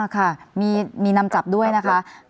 ค่ะมีนำจับด้วยนะคะ